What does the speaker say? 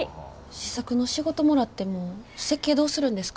試作の仕事もらっても設計どうするんですか？